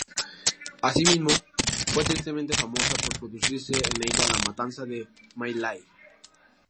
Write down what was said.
Así mismo fue tristemente famosa por producirse en ella la Matanza de My Lai.